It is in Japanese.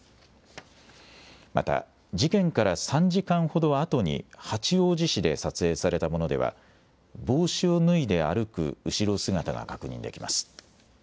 また、事件から３時間ほどあとに八王子市で撮影されたものでは、帽子を脱いで歩く後ろ姿が確認できます。